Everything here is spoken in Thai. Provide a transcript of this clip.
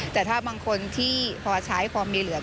แต่ถ้าบางคนที่พอใช้พอมีเหลือง